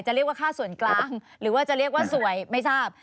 เรียกว่าค่าส่วนกลางหรือว่าจะเรียกว่าสวยไม่ทราบ